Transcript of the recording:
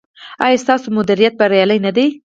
ایا ستاسو مدیریت بریالی نه دی؟